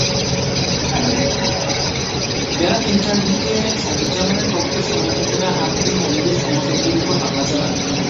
বেলা তিনটার দিকে সাইদুজ্জামানের পক্ষের সমর্থকেরা আবদুল হামিদের সমর্থকদের ওপর হামলা চালান।